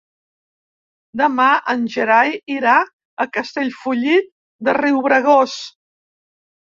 Demà en Gerai irà a Castellfollit de Riubregós.